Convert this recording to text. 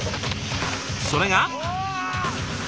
それが。